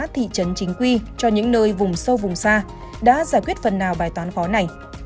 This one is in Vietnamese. thị trấn chính quy cho những nơi vùng sâu vùng xa đã giải quyết phần nào bài toán khó này